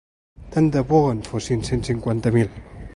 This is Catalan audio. Tant de bo en fossin cent cinquanta mil!